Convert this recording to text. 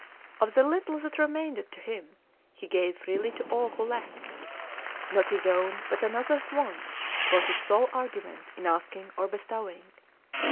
"Of the little that remained to him, he gave freely to all who lacked. Not his own, but another's wants, were his sole argument in asking or bestowing.